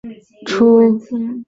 出生于北宁省顺成县。